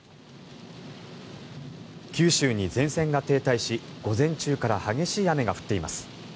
九州に前線が停滞し、午前中から激しい雨が降っています。